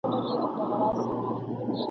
که شعر د کلماتو له ښکلا !.